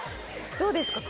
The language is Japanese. どうですか？